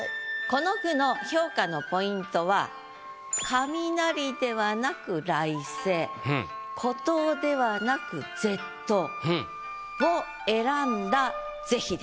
この句の評価のポイントは「雷」ではなく「雷声」「孤島」ではなく「絶島」を選んだ是非です。